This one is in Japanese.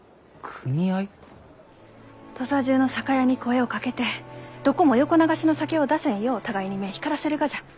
土佐中の酒屋に声をかけてどこも横流しの酒を出せんよう互いに目光らせるがじゃ。